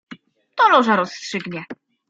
"To Loża rozstrzygnie."